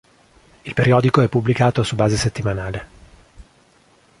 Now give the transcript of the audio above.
Il periodico è pubblicato su base settimanale.